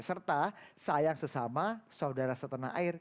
serta sayang sesama saudara setenang air